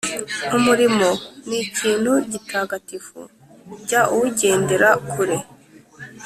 Umurimo ni ikintu gitagatifu jya uwugendera kure.